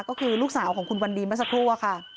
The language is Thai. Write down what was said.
ก็คือลูกสาวของคุณวันดีเมื่อสักครู่อะค่ะ